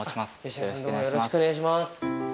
よろしくお願いします。